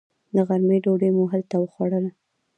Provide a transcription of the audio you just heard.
د غرمې ډوډۍ مو هلته وخوړله.